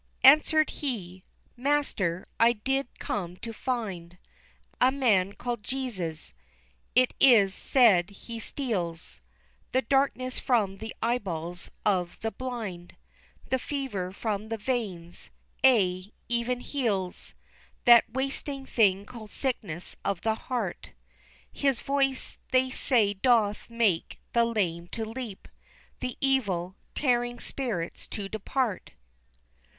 Answered he, "Master, I did come to find A man called Jesus; it is said He steals The darkness from the eyeballs of the blind, The fever from the veins Ay, even heals That wasting thing called sickness of the heart. His voice they say doth make the lame to leap, The evil, tearing spirits to depart."